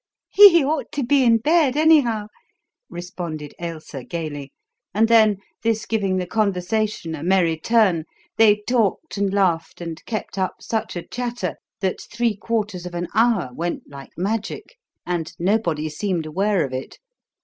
"He ought to be in bed, anyhow," responded Ailsa gaily; and then, this giving the conversation a merry turn, they talked and laughed and kept up such a chatter that three quarters of an hour went like magic and nobody seemed aware of it.